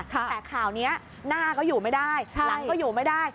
แต่ข่าวนี้หน้าก็อยู่ไม่ได้หลังก็อยู่ไม่ได้